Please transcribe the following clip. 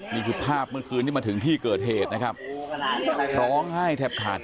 นี่คือภาพเมื่อคืนที่มาถึงที่เกิดเหตุนะครับร้องไห้แทบขาด